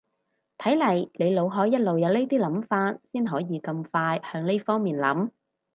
睇嚟你腦海一路有呢啲諗法先可以咁快向呢方面諗